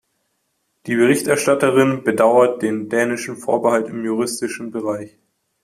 Die Berichterstatterin bedauert den dänischen Vorbehalt im juristischen Bereich.